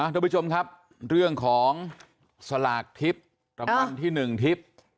ทุกผู้ชมครับเรื่องของสลากทิศรำคัญที่หนึ่งทิศ